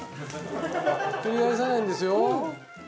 ひっくり返さないんですよ